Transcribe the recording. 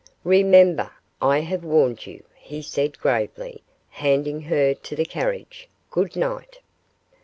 'Remember, I have warned you,' he said, gravely, handing her to the carriage. 'Good night!